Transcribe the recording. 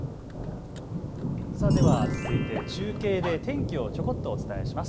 では続いて中継で天気をちょこっとお伝えします。